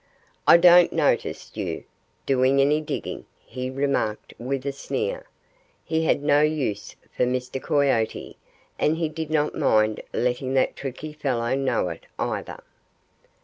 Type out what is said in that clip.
"I don't notice you doing any digging," he remarked with a sneer. He had no use for Mr. Coyote, and he did not mind letting that tricky fellow know it, either.